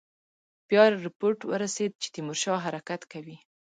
بیا رپوټ ورسېد چې تیمورشاه حرکت کوي.